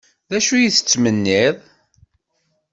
D acu ay tettmenniḍ?